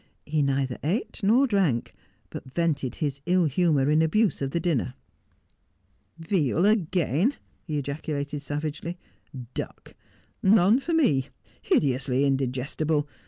He neither eat nor drank, but vented his ill humour in abuse of the dinner. ' Veal again,' he ejaculated savagely. ' Duck. None for me. Hideously indigestible.